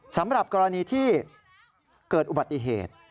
สำหรับกรณีที่เกิดอุบัติเหตุ